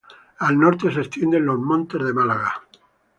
Al norte se extienden los Montes de Málaga.